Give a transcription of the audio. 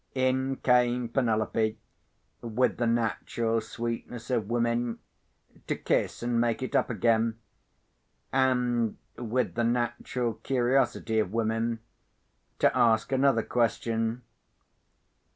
In came Penelope—with the natural sweetness of women—to kiss and make it up again; and—with the natural curiosity of women—to ask another question.